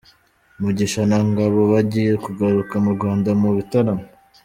Mugisha na Ngbo bagiye kugaruka mu Rwanda mu bitaramo